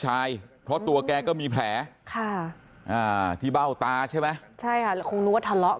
ชายเพราะตัวแกก็มีแผลที่เบ้าตาใช่ไหมใช่คงรู้ว่าทะเลาะ